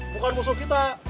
bukan musuh kita